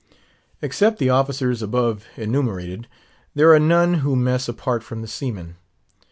Except the officers above enumerated, there are none who mess apart from the seamen.